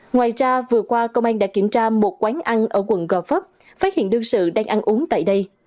ngoài ra vừa qua công an đã kiểm tra một quán ăn ở quận gò vấp phát hiện đương sự đang ăn uống tại đây